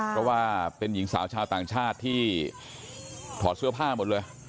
เพราะว่าเป็นหญิงสาวชาวต่างชาติที่ถอดเสื้อผ้าหมดเลย